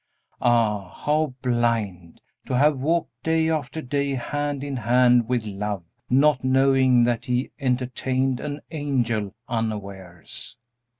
Ah, how blind! to have walked day after day hand in hand with Love, not knowing that he entertained an angel unawares!